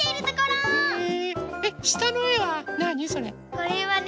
これはね